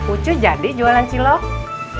ucu jadi jualan cilok